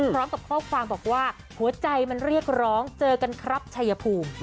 พร้อมกับข้อความบอกว่าหัวใจมันเรียกร้องเจอกันครับชัยภูมิ